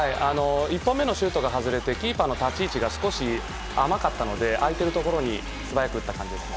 １本目のシュートが外れてキーパーの立ち位置が少し甘かったので相手のところに素早く打った感じです。